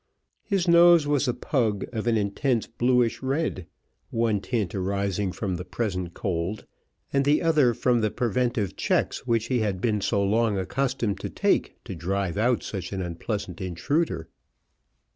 His nose was a pug of an intense bluish red, one tint arising from the present cold, and the other from the preventive checks which he had been so long accustomed to take to drive out such an unpleasant intruder.